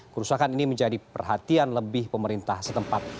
kerusakan ini menjadi perhatian lebih pemerintah setempat